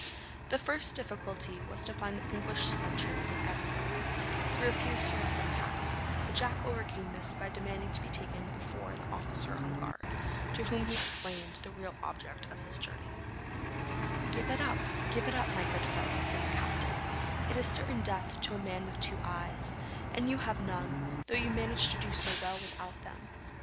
The first difficulty was with the English sentries in Edinburgh, who refused to let them pass; but Jack overcame this by demanding to be taken before the officer on guard, to whom he explained the real object of his journey. [Illustration: THE HIGHLANDERS DEMAND THE CAPTAIN'S HORSE FOR THE PRINCE.] 'Give it up, give it up! my good fellow,' said the captain; 'it is certain death to a man with two eyes, and you have none, though you manage to do so well without them.'